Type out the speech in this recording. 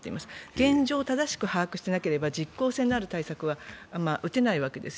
現状を正しく把握しなければ実行性のある対策は打てないわけです。